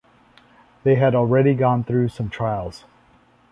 They had already gone through some trials.